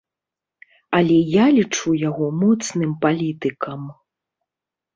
Але я лічу яго моцным палітыкам.